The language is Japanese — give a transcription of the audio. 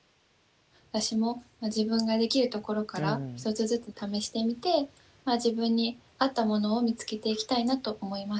私も自分ができるところから１つずつ試してみて自分に合ったものを見つけていきたいなと思います。